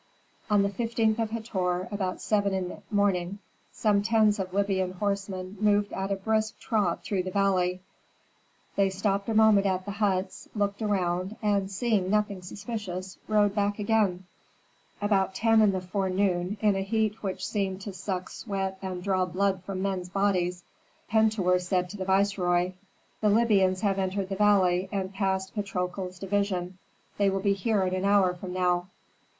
On the fifteenth of Hator about seven in the morning, some tens of Libyan horsemen moved at a brisk trot through the valley. They stopped a moment at the huts, looked around, and, seeing nothing suspicious, rode back again. At about ten in the forenoon in a heat which seemed to suck sweat and draw blood from men's bodies, Pentuer said to the viceroy, "The Libyans have entered the valley and passed Patrokles' division. They will be here in an hour from now."